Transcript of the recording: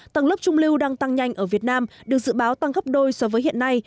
tầng lớp trung lưu đang tăng nhanh ở việt nam được dự báo tăng gấp đôi so với hiện nay